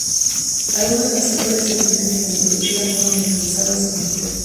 Algunos de los actores originales de la película fueron reemplazados en el corto.